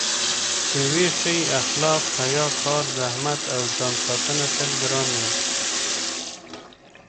چې وښيي اخلاق، حیا، کار، زحمت او ځانساتنه تل ګران وي.